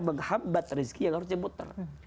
menghambat rezeki yang harusnya muter